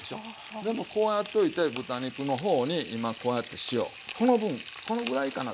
でもこうやっといて豚肉の方に今こうやって塩この分このぐらいかなって。